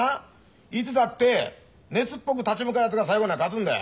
いつだって熱っぽく立ち向かうやつが最後には勝つんだよ。